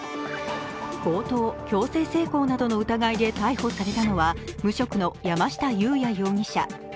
強盗強制性交などの疑いで逮捕されたのは無職の山下裕也容疑者。